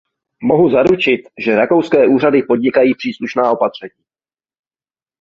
Mohu zaručit, že rakouské úřady podnikají příslušná opatření.